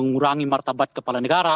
mengurangi martabat kepala negara